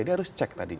ini harus dicek tadi